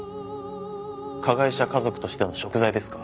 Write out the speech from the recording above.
加害者家族としての贖罪ですか？